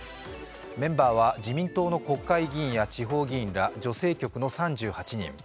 メンバーは自民党の国会議員や地方議員ら、女性局の３８人。